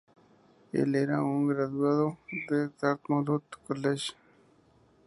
Él era un graduado de "Dartmouth College".